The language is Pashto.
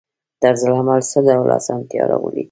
طرزالعمل څه ډول اسانتیا راوړي؟